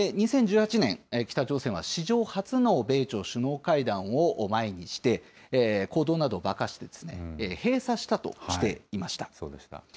２０１８年、北朝鮮は史上初の米朝首脳会談を前にして、坑道などを爆破して閉鎖したとしていましそうでした。